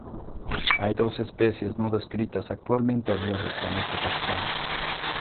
Hay dos especies no descritas actualmente aliado con este taxón.